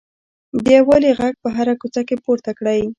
د یووالي غږ په هره کوڅه کې پورته کړئ.